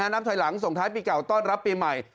นับถอยหลังส่งท้ายปีเก่าต้อนรับปีใหม่